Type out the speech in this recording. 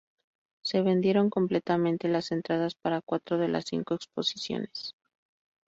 Se vendieron completamente las entradas para cuatro de las cinco exposiciones.